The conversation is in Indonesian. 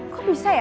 kok bisa ya